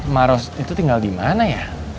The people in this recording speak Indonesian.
maros itu tinggal di mana ya